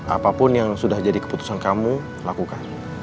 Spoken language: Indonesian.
apapun yang sudah jadi keputusan kamu lakukan